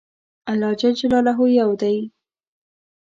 الله ج يو دی